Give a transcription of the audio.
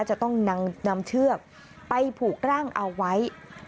จะต้องนำเชือกไปผูกร่างเอาไว้